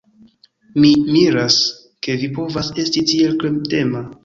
Mi miras, ke vi povas esti tiel kredema!